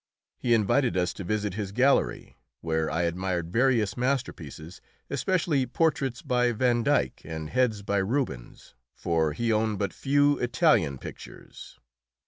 He invited us to visit his gallery, where I admired various masterpieces, especially portraits by Van Dyck and heads by Rubens, for he owned but few Italian pictures.